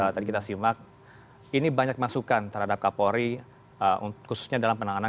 tadi kita simak ini banyak masukan terhadap kapolri khususnya dalam penanganan